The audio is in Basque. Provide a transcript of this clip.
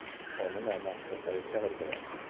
Ez du bere onena eman, ezta gutxiagorik ere.